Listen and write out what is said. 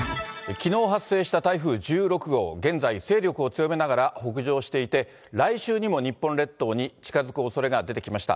きのう発生した台風１６号、現在、勢力を強めながら北上していて、来週にも日本列島に近づくおそれが出てきました。